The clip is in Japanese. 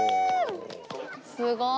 すごーい！